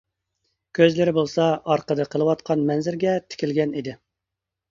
كۆزلىرى بولسا ئارقىدا قېلىۋاتقان مەنزىرىگە تىكىلگەن ئىدى.